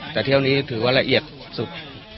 แต่เที่ยวนี้ถือว่าละเอียดสุด